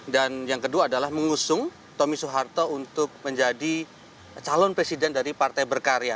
dan yang kedua adalah mengusung tommy soeharto untuk menjadi calon presiden dari partai berkarya